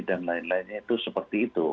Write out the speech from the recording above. dan lain lainnya itu seperti itu